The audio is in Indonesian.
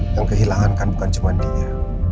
yang kehilangan kan bukan cuma dia